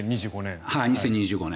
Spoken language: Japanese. ２０２５年。